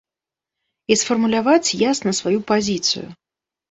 І сфармуляваць ясна сваю пазіцыю.